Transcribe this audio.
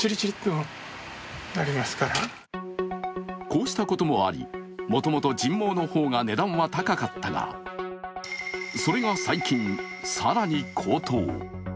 こうしたこともありもともと人毛の方が値段が高かったが、それが最近、更に高騰。